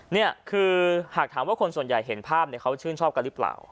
นี่คือหากถามว่าคนส่วนใหญ่เห็นภาพเขาชื่นชอบกันหรือเปล่า